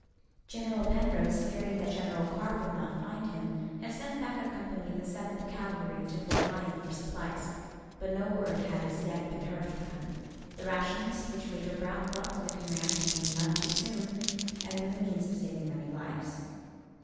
General Penrose, fearing that General Carr would not find him, had sent back a company of the Seventh Cavalry to Fort Lyon for supplies; but no word had as yet been heard from them. The rations which Major Brown brought to the command came none too soon, and were the means of saving many lives.